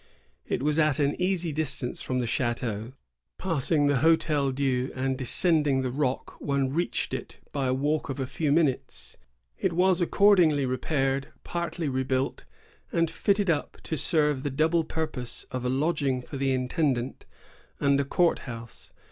It was at an easy distance from the chfiteau; passing the H8tel Dieu and descending the rock, one reached it by a walk of a few minutes. It was accordingly repaired, partly rebuilt, and fitted up to serve the double purpose of a lodging for the intendant and a court house.